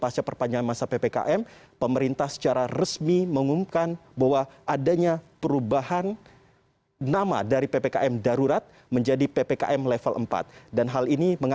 syarikat tersebut agil ini